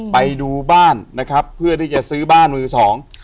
ไปดูบ้านนะครับเพื่อที่จะซื้อบ้านมือสอง